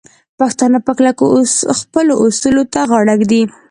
پښتانه په کلکه خپلو اصولو ته غاړه ږدي.